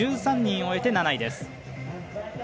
１３人終えて、７位です。